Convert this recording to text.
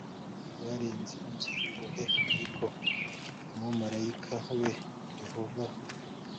Barinze inzu y imbohe ariko umumarayika wa yehova